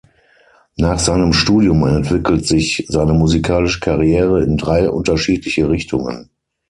Nach seinem Studium entwickelt sich seine musikalische Karriere in drei unterschiedliche Richtungen.